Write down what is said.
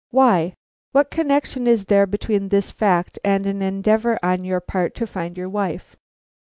"Why? What connection is there between this fact and an endeavor on your part to find your wife?"